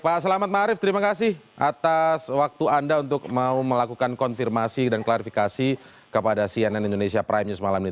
pak selamat marif terima kasih atas waktu anda untuk mau melakukan konfirmasi dan klarifikasi kepada cnn indonesia prime news malam ini